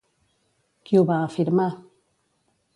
Qui ho va afirmar?